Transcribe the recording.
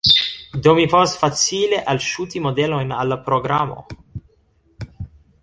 Do vi povas facile alŝuti modelojn al la programo